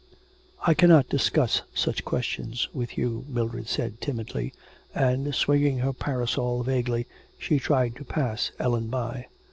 'I cannot discuss such questions with you,' Mildred said timidly, and, swinging her parasol vaguely, she tried to pass Ellen by.